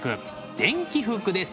「電気服」です。